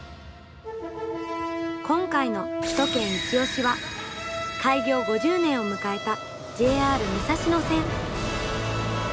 今回の「首都圏いちオシ！」は開業５０年を迎えたＪＲ武蔵野線。